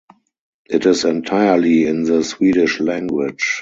It is entirely in the Swedish language.